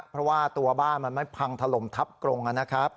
เพราะว่าตัวบ้านมันไม่พังถล่มทับกรงนะครับ